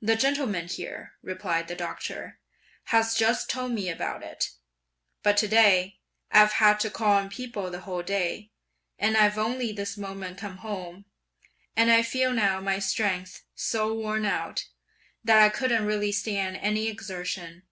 'The gentleman here,' replied the doctor, 'has just told me about it; but to day, I've had to call on people the whole day, and I've only this moment come home; and I feel now my strength (so worn out), that I couldn't really stand any exertion.